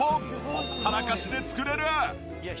ほったらかしで作れる！